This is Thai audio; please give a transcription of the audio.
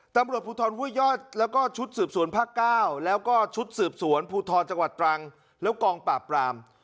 ตำรวจภูทรห้วยยอดแล้วก็ชุดสืบสวนภาค๙แล้วก็ชุดสืบสวนภูทรจังหวัดตรังแล้วกองปราบปราม